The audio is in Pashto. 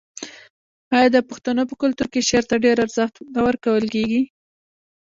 آیا د پښتنو په کلتور کې شعر ته ډیر ارزښت نه ورکول کیږي؟